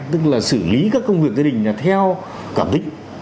tức là xử lý các công việc gia đình là theo cảm định